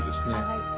はい。